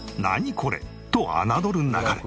これ」と侮るなかれ。